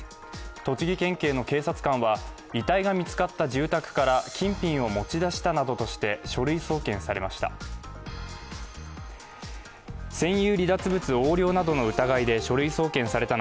栃木県警の警察官は遺体が見つかった住宅から金品を持ち出したなどとして書類送検されました。